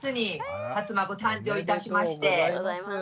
おめでとうございます。